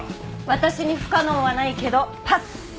私に不可能はないけどパス！